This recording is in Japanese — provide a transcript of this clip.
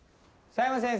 佐山先生！